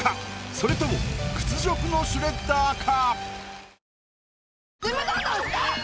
それとも屈辱のシュレッダーか？